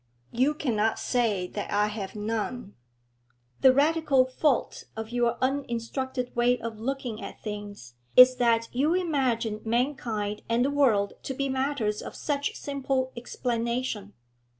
'You cannot say that I have none. The radical fault of your uninstructed way of looking at things is that you imagine mankind and the world to be matters of such simple explanation.